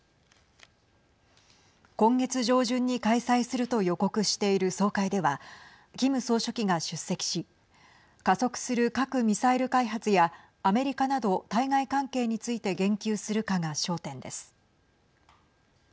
今月上旬に開催すると予告している総会ではキム総書記が出席し加速する核・ミサイル開発やアメリカなど対外関係について言及するかが焦点です。